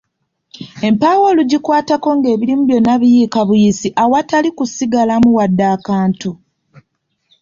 Empaawo olugikwatako ng’ebirimu byonna biyiika buyiisi awatali kusigalamu wadde akantu!